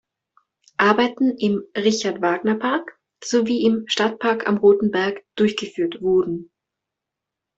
Arbeiten im „Richard-Wagner-Park“ sowie im „Stadtpark am Roten Berg“ durchgeführt wurden.